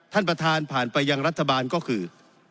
ท่านประธานผ่านไปยังรัฐบาลก็คือ